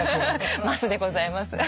ますでございます。